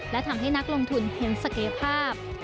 และทำให้นักลงทุนเห็นศักยภาพ